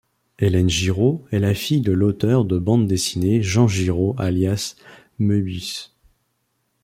Hélène Giraud est la fille de l'auteur de bande-dessiné Jean Giraud alias Mœbius.